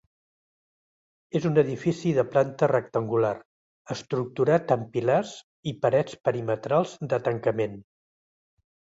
És un edifici de planta rectangular, estructurat amb pilars i parets perimetrals de tancament.